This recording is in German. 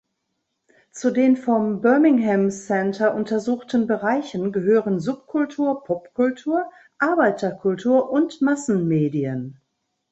Zu den vom Birmingham Centre untersuchten Bereichen gehören Subkultur, Popkultur, Arbeiterkultur und Massenmedien.